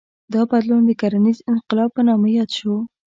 دا بدلون د کرنیز انقلاب په نامه یاد شو.